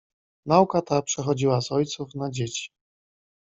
"Nauka ta przechodziła z ojców na dzieci."